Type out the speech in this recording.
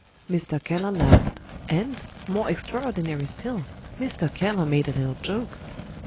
Mr. Keller laughed and, more extraordinary still, Mr. Keller made a little joke.